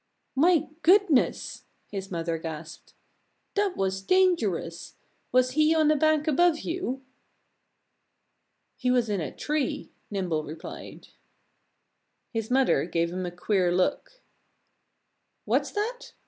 "My goodness!" his mother gasped. "That was dangerous. Was he on a bank above you?" "He was in a tree," Nimble replied. His mother gave him a queer look. "What's that?"